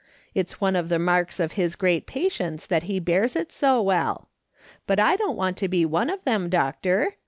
It's one of the marks of his great patience that he bears it so well. But I don't want to be one of them, doctor.